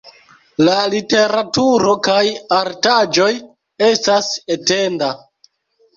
La literaturo kaj artaĵoj estas etenda.